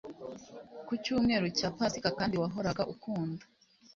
Ku cyumweru cya Pasika kandi wahoraga ukunda